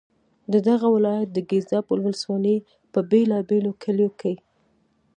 د دغه ولایت د ګیزاب ولسوالۍ په بېلا بېلو کلیو کې.